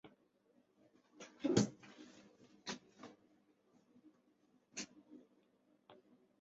黄妃因而正式踏入主流乐坛。